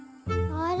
あれ？